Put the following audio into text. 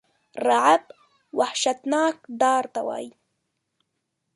رعب وحشتناک ډار ته وایی.